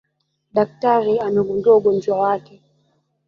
Daktari amegundua ugonjwa wake